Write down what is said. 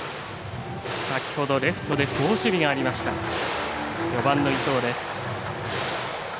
先ほど、レフトで好守備がありました、伊藤。